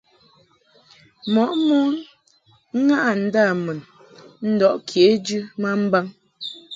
Mɔʼ mon ŋaʼɨ ndâmun ndɔʼ kejɨ ma mbaŋ.